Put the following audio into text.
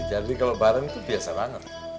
jadi kalau bareng itu biasa banget